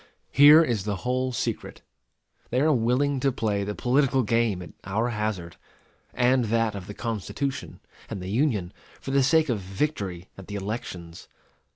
Here is the whole secret. They are willing to play the political game at our hazard, and that of the Constitution and the Union, for the sake of victory at the elections.